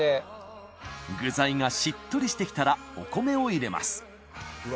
具材がしっとりしてきたらお米を入れますうわ